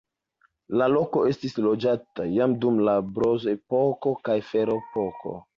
La loko estis loĝata jam dum la bronzepoko kaj ferepoko.